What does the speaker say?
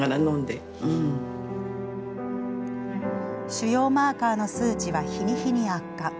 腫瘍マーカーの数値は日に日に悪化。